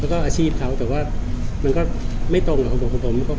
แล้วก็อาชีพเขาแต่ว่ามันก็ไม่ตรงกับของผม